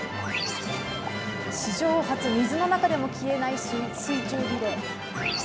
史上初、水の中でも消えない水中リレー。